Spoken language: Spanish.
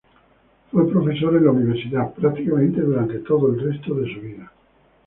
Fue profesor en la Universidad prácticamente durante todo el resto de su vida.